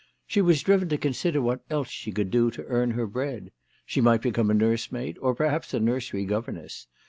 She was driven to consider what else she could do to earn her bread. She might become a nursemaid, or perhaps a nursery governess.